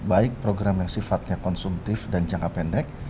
baik program yang sifatnya konsumtif dan jangka pendek